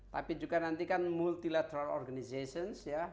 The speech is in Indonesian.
tapi juga nanti kan multilateral organization ya